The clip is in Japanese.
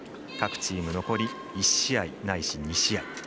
各チーム残り１試合ないし２試合。